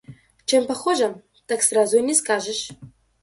Чем похожа, так сразу и не скажешь.